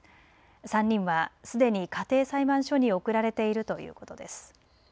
３人はすでに家庭裁判所に送られているということです。